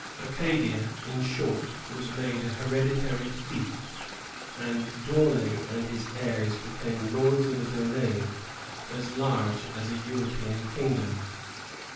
^ Acadia, in short, was made an hereditary fief; and D'Aunay and his heirs became lords of a domain as large as a European kingdom.